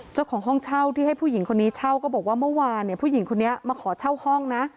เจ้าของห้องเช่าที่ให้ผู้หญิงคนนี้เช่าก็บอกว่าเมื่อวานเนี่ยผู้หญิงคนนี้มาขอเช่าห้องนะ